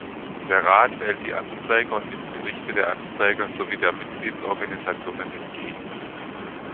Der Rat wählt die Amtsträger und nimmt Berichte der Amtsträger sowie der Mitgliedsorganisationen entgegen.